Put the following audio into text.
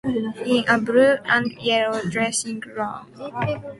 In a blue-and-yellow dressing gown.